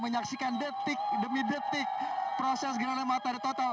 menyaksikan detik demi detik proses gerhana matahari total